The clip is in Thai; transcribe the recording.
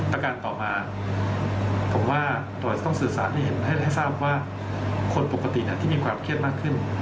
การต่อมาผมว่าตรวจต้องสื่อสารให้เห็นให้ทราบว่าคนปกติที่มีความเครียดมากขึ้น